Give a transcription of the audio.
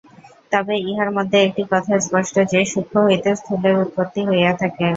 তবে ইহার মধ্যে একটি কথা স্পষ্ট যে, সূক্ষ্ম হইতে স্থূলের উৎপত্তি হইয়া থাকে।